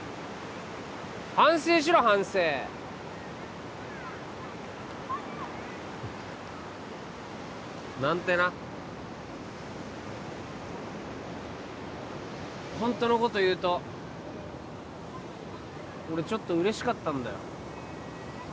反省しろ反省！なんてなホントのこと言うと俺ちょっと嬉しかったんだよ